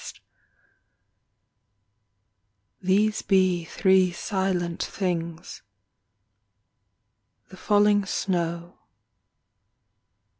TRIAD These be Three silent things: The falling snow